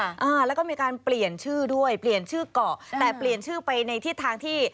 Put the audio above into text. อ่าแล้วก็มีการเปลี่ยนชื่อด้วยเปลี่ยนชื่อเกาะแต่เปลี่ยนชื่อไปในทิศทางที่